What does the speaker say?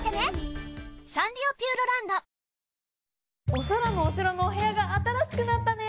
お空のお城のお部屋が新しくなったね！